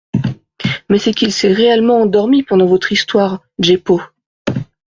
—mais c’est qu’il s’est réellement endormi pendant votre histoire, Jeppo.